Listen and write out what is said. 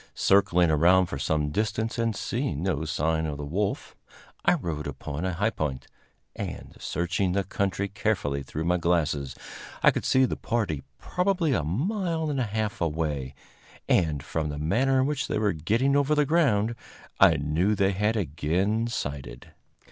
Circling around for some distance and seeing no sign of the wolf, I rode upon a high point, and, searching the country carefully through my glasses, I could see the party probably a mile and a half away; and, from the manner in which they were getting over the ground, I knew they had again sighted.